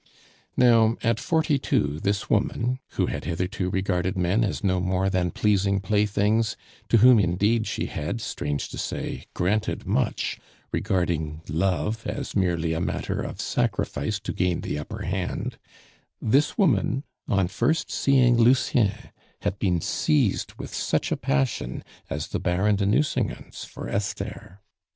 Now, at forty two this woman who had hitherto regarded men as no more than pleasing playthings, to whom, indeed, she had, strange to say, granted much, regarding love as merely a matter of sacrifice to gain the upper hand, this woman, on first seeing Lucien, had been seized with such a passion as the Baron de Nucingen's for Esther.